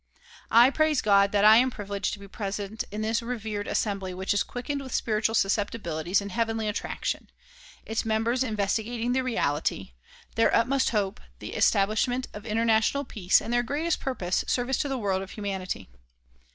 I praise God that I am privileged to be present in this revered assembly which is quickened with spiritual susceptibilities and heavenly attraction; its members investigating the reality; their utmost hope the establishment of international peace and their greatest purpose service to the world of humanity.